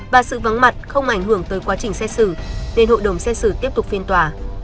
và sự vắng mặt không ảnh hưởng tới quá trình xét xử nên hội đồng xét xử tiếp tục phiên tòa